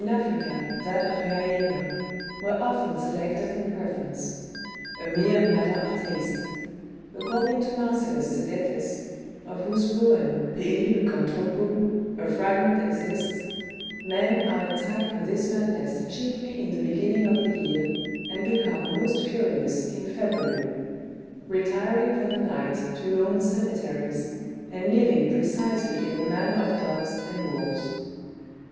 9 Africa that of a hysena, were often selected in prefer ence. A mere matter of taste ! According to Marcellus Sidetes, of whose poem Trepi XvKavOowirov a fragment exists, men are attacked with this madness chiefly in the beginning of the year, and become most furious in February ; retiring for the night to lone cemete ries, and living precisely in the manner of dogs and wolves.